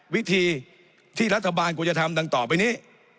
วิธีที่รัฐบาลกูจะทำต่อไปนี้